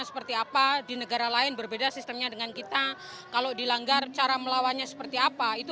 seperti apa di negara lain berbeda sistemnya dengan kita kalau dilanggar cara melawannya seperti apa itu